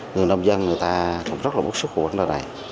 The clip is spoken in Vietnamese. người nông dân người ta cũng rất là bức xúc của văn đoàn này